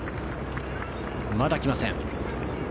まだ来ません。